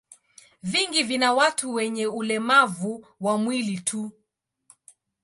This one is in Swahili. Vingi vina watu wenye ulemavu wa mwili tu.